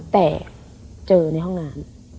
แต่เจอในห้องน้ำ